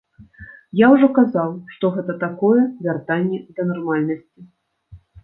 Я ўжо казаў, што гэта такое вяртанне да нармальнасці.